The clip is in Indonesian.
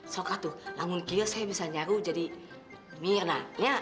sokatu langun kio saya bisa nyaru jadi mirna